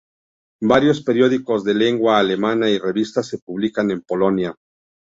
Varios periódicos de lengua alemana y revistas se publican en Polonia.